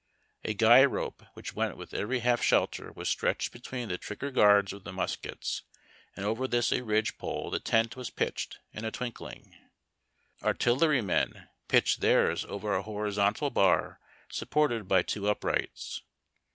A guy rope which went with every half shelter was stretclied between the trio o er o uards of the muskets, and over this as a ridge pole the tent was pitched in a twinkling. Artillery men pitched theirs over a horizontal bar supported by two uprights.